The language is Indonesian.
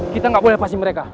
kita gak boleh lepasin mereka